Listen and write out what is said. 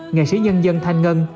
nghệ sĩ nhân dân thanh ngân